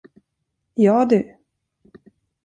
Ja, du!